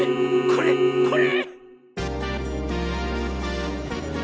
これこれ！？